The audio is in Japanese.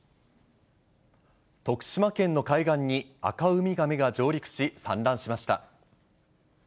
徳島県の海岸に、アカウミガメが上陸し、産卵しました。